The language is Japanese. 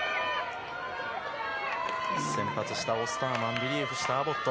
先発したオスターマンリリーフしたアボット。